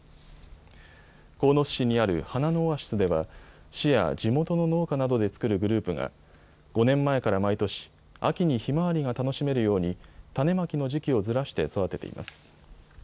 鴻巣市にある花のオアシスでは市や地元の農家などで作るグループが５年前から毎年、秋にひまわりが楽しめるように種まきの時期をずらして育てています。